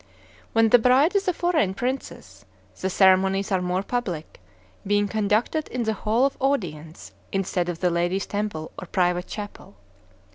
When the bride is a foreign princess, the ceremonies are more public, being conducted in the Hall of Audience, instead of the Ladies' Temple, or private chapel.